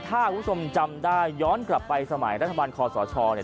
ถ้าคุณผู้ชมจำได้ย้อนกลับไปสมัยรัฐบาลคอสชเนี่ย